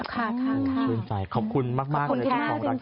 ขอบคุณมากของร้านคาแคร์